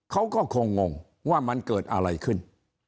เขาก็คงงว่ามันเกิดอะไรขึ้น